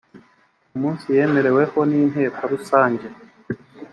umunsi yemereweho n inteko rusange